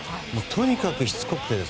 とにかくしつこくて。